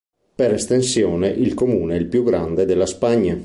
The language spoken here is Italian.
Per estensione il comune è il più grande della Spagna.